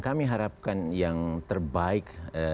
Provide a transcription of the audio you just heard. kami harapkan yang terbaik